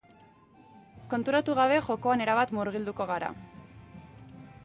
Konturatu gabe, jokoan erabat murgilduko gara.